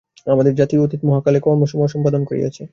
আমাদের জাতি অতীতকালে মহৎ কর্মসমূহ সম্পাদন করিয়াছে।